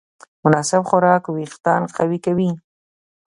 مناسب خوراک وېښتيان قوي کوي.